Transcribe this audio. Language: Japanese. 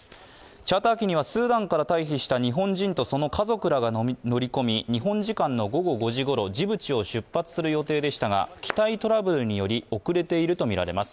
チャーター機にはスーダンから退避した日本人とその家族らが乗り込み日本時間の午後５時ごろジブチを出発する予定でしたが、機体トラブルにより遅れているとみられます。